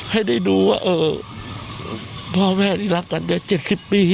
ให้ได้ดูว่าเออพ่อแม่ที่รักกันจะเจ็ดสิบปี